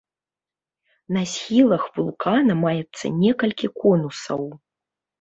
На схілах вулкана маецца некалькі конусаў.